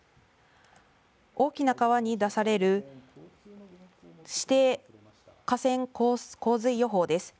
大きな川に出される指定河川洪水予報です。